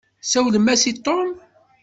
Tsawlemt-as i Tom.